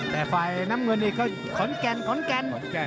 แต่ไฟน้ำเงินเองเขาขนแก่นขนแก่น